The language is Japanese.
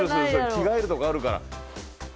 着替えるとこあるから。